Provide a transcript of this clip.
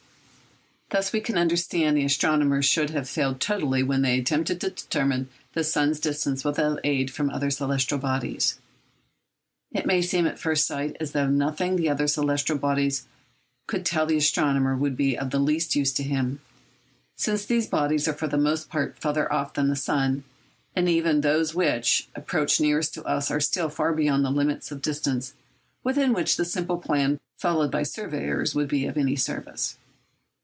Thus we can understand that astronomers should have failed totally when they attempted to determine the sun's distance without aid from the other celestial bodies. It may seem at first sight as though nothing the other celestial bodies could tell the astronomer would be of the least use to him, since these bodies are for the most part farther off than the sun, and even those which, approach nearest to us are still far beyond the limits of distance within which the simple plan followed by surveyors could be of any service.